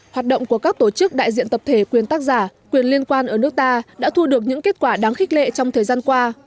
hoạt động của các tổ chức đại diện tập thể quyền tác giả quyền liên quan ở nước ta đã thu được những kết quả đáng khích lệ trong thời gian qua